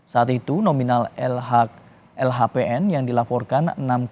saat itu nominal lhpn yang dilaporkan enam tujuh